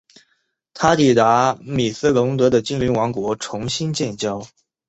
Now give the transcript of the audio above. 他抵达米斯龙德的精灵王国重新建交。